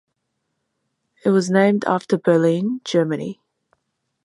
It was named after Berlin, Germany.